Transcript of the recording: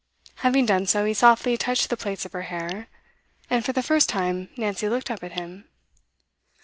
Having done so, he softly touched the plaits of her hair. And, for the first time, Nancy looked up at him.